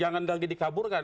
jangan lagi dikaburkan